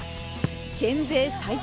県勢最多